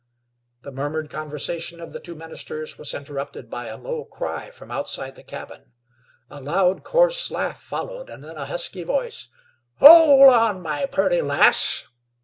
The murmured conversation of the two ministers was interrupted by a low cry from outside the cabin. A loud, coarse laugh followed, and then a husky voice: "Hol' on, my purty lass."'